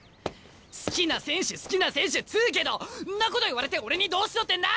好きな選手好きな選手っつうけどんなこと言われて俺にどうしろってんだ！？